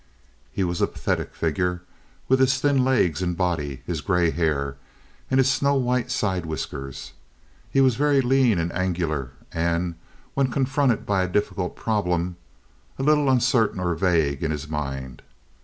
He was a pathetic figure with his thin legs and body, his gray hair, and his snow white side whiskers. He was very lean and angular, and, when confronted by a difficult problem, a little uncertain or vague in his mind.